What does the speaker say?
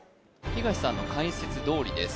東さんの解説どおりです